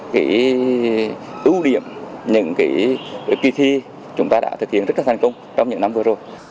cái ưu điểm những kỳ thi chúng ta đã thực hiện rất là thành công trong những năm vừa rồi